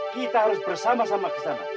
kita harus bersama sama